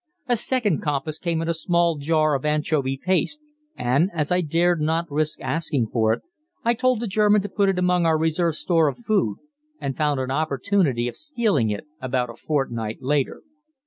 A second compass came in a small jar of anchovy paste, and, as I dared not risk asking for it, I told the German to put it among our reserve store of food and found an opportunity of stealing it about a fortnight later.